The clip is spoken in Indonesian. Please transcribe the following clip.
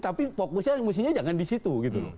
tapi fokusnya jangan di situ